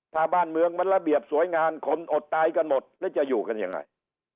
ถ้าบ้านเมืองมันระเบียบสวยงามคนอดตายกันหมดแล้วจะอยู่กันยังไง